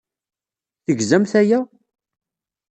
Tegzamt aya?